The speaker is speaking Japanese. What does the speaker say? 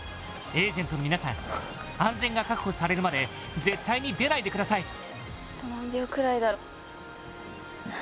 エージェントの皆さん安全が確保されるまで絶対に出ないでください